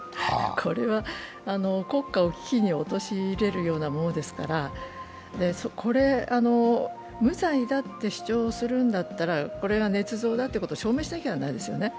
これは国家を危機に陥れるようなものですから、無罪だって主張するんだったらこれがねつ造だということを証明しなきゃならないですよね。